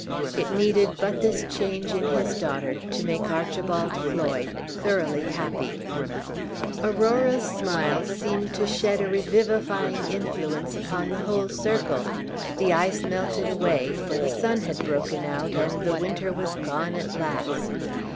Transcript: It needed but this change in his daughter to make Archibald Floyd thoroughly happy. Page 21 Aurora's smiles seemed to shed a revivifying influence upon the whole circle. The ice melted away, for the sun had broken out, and the winter was gone at last.